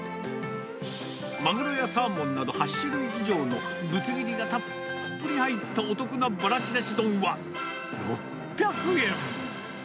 マグロやサーモンなど８種類以上のぶつ切りがたっぷり入ったお得なバラちらし丼は６００円。